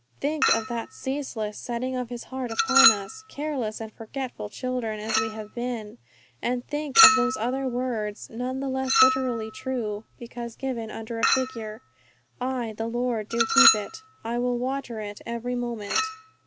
Think of that ceaseless setting of His heart upon us, careless and forgetful children as we have been! And then think of those other words, none the less literally true because given under a figure: 'I, the Lord, do keep it; _I will water it every moment.